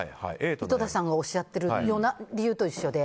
井戸田さんがおっしゃってるような理由と一緒で。